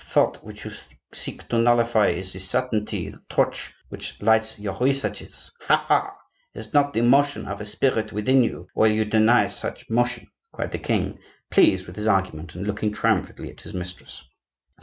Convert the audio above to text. Thought, which you seek to nullify, is the certainty, the torch which lights your researches. Ha! ha! is not that the motion of a spirit within you, while you deny such motion?" cried the king, pleased with his argument, and looking triumphantly at his mistress.